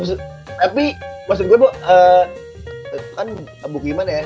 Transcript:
iya tapi maksud gue kan bukiman ya